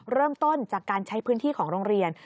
เริ่มต้นจากการใช้พื้นที่ของโรงเรียน